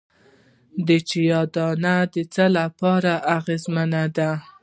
د چیا دانه د څه لپاره اغیزمنه ده؟